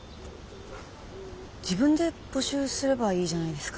自分で募集すればいいじゃないですか。